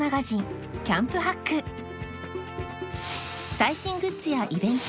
最新グッズやイベント